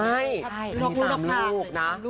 ไม่ตามลูกนะ